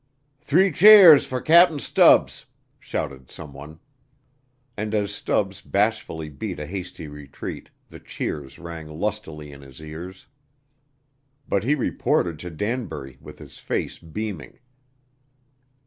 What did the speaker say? "Three cheers fer Cap'n Stubbs," shouted someone. And as Stubbs bashfully beat a hasty retreat, the cheers rang lustily in his ears. But he reported to Danbury with his face beaming.